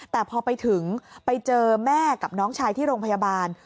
แต่พอไปถึงไปเจอแม่กับน้องชายที่โรงพยาบาล